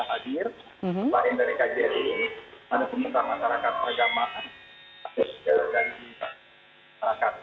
bahkan dari kjri ada semua masyarakat masyarakat peragama masyarakat